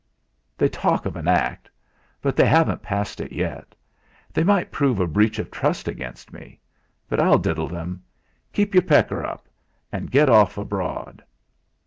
"They talk of an Act, but they haven't passed it yet. They might prove a breach of trust against me. But I'll diddle them. Keep your pecker up, and get off abroad."